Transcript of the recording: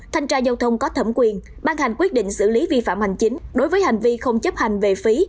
thanh tra giao thông có thẩm quyền ban hành quyết định xử lý vi phạm hành chính đối với hành vi không chấp hành về phí